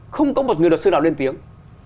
không có một người luật sư nào lên tiếng